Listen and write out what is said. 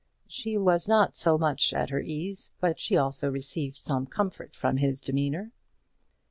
She was not so much at her ease, but she also received some comfort from his demeanour.